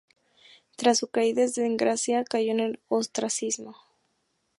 Tras su caída en desgracia cayó en el ostracismo.